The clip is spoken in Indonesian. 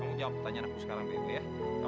manara bukan perasaan kamu